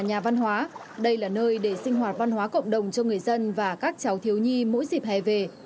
nhà văn hóa đây là nơi để sinh hoạt văn hóa cộng đồng cho người dân và các cháu thiếu nhi mỗi dịp hè về